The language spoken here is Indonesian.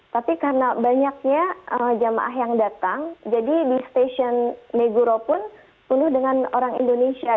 tapi karena banyaknya jamaah yang datang jadi di stasiun meguro pun penuh dengan orang indonesia